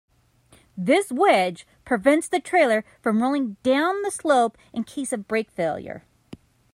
This wedge prevents the trailer from rolling down the slope in case of brake failure.